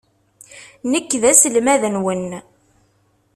Nekk d aselmad-nwen.